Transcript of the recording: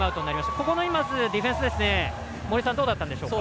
ここのディフェンスどうだったんでしょうか？